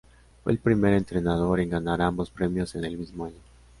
Fue el primer entrenador en ganar ambos premios en el mismo año.